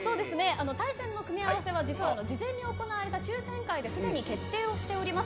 対戦の組み合わせは事前に行われた抽選会ですでに決定をしております。